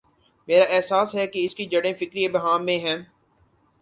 میرا احساس ہے کہ اس کی جڑیں فکری ابہام میں ہیں۔